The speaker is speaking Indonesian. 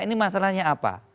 ini masalahnya apa